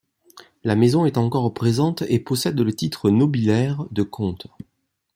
La maison est encore présente et possède le titre nobiliaire de comte.